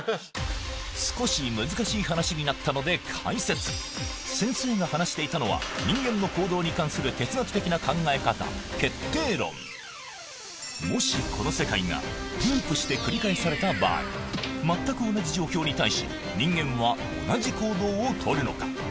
少し難しい話になったので解説先生が話していたのはもしこの世界がループして繰り返された場合全く同じ状況に対し人間は同じ行動をとるのか？